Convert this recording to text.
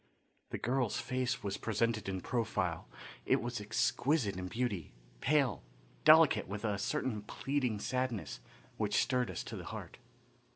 The girl's face was presented in profile. It was exquisite in beauty, pale, delicate with a certain pleading sadness which stirred us to the heart.